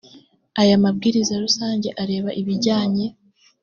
aya mabwiriza rusange areba ibijyanye